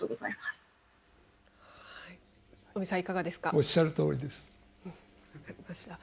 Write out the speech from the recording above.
おっしゃるとおりです。